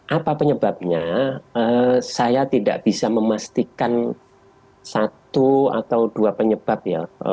apa penyebabnya saya tidak bisa memastikan satu atau dua penyebab ya